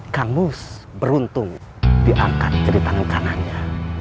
kamus beruntung diangkat jadi tangan kanannya